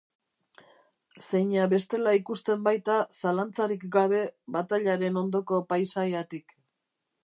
Zeina bestela ikusten baita, zalantzarik gabe, batailaren ondoko paisaiatik.